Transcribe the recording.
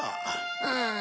うん。